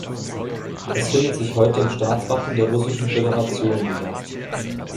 Er findet sich heute im Staatswappen der Russischen Föderation wieder.